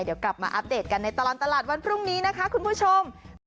เดี๋ยวกลับมาอัปเดตกันในตลอดตลาดวันพรุ่งนี้นะคะคุณผู้ชม